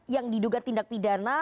yang diduga tindak pidana